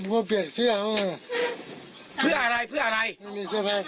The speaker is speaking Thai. ผมก็เปียกเสื้อของมันเพื่ออะไรเพื่ออะไรไม่มีเสื้อแพร่ใส่พี่ปังกิจ